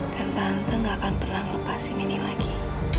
dan tante gak akan pernah melepaskan ini lagi